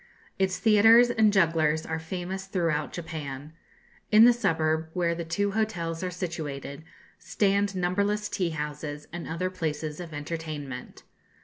Its theatres and jugglers are famous throughout Japan. In the suburb, where the two hotels are situated, stand numberless tea houses and other places of entertainment.